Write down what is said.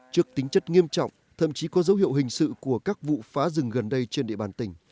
trước tính chất nghiêm trọng thậm chí có dấu hiệu hình sự của các vụ phá rừng gần đây trên địa bàn tỉnh